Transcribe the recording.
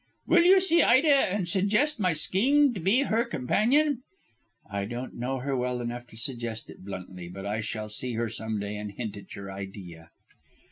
"Will you see Ida and suggest my scheme to be her companion?" "I don't know her well enough to suggest it bluntly. But I shall see her some day and hint at your idea."